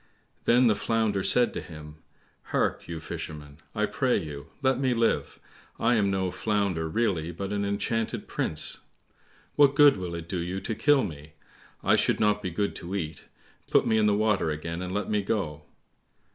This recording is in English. Then the Flounder said to him, "Hark, you Fisherman, I pray you, let me live, I am no Flounder really, but an enchanted prince. What good will it do you to kill me? I should not be good to eat, put me in the water again, and let me go."